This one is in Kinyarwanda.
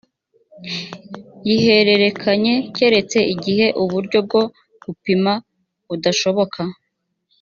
yihererekanya keretse igihe uburyo bwo gupima budashoboka